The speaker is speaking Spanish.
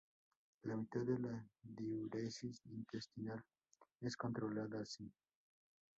La mitad de la diuresis intestinal es controlada así.